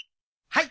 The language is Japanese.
はい！